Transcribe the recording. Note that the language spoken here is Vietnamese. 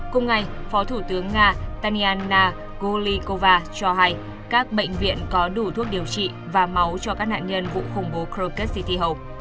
cùng ngày phó thủ tướng nga tanyana golikova cho hay các bệnh viện có đủ thuốc điều trị và máu cho các nạn nhân vụ khủng bố krokus city hall